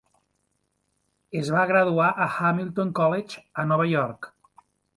Es va graduar a Hamilton College a Nova York.